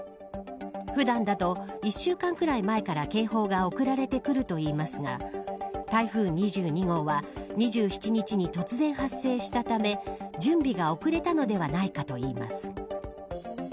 普段だと１週間くらい前から警報が送られてくるといいますが台風２２号は２７日に突然発生したため準備が遅れたのではないかといいます。